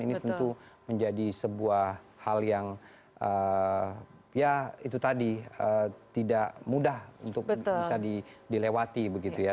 ini tentu menjadi sebuah hal yang ya itu tadi tidak mudah untuk bisa dilewati begitu ya